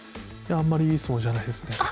あんまりいい相撲じゃないですね。